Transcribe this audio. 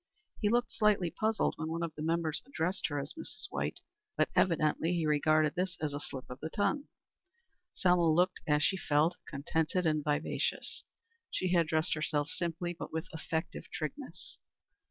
He looked slightly puzzled when one of the members addressed her as Mrs. White, but evidently he regarded this as a slip of the tongue. Selma looked, as she felt, contented and vivacious. She had dressed herself simply, but with effective trigness.